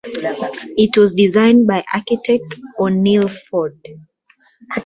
It was designed by architect O'Neil Ford.